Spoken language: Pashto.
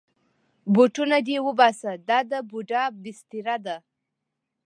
بوټونه دې وباسه، دا د بوډا بستره ده.